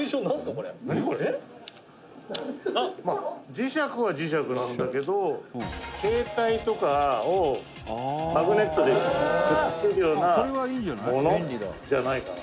「磁石は磁石なんだけど携帯とかをマグネットでくっつけるようなものじゃないかな」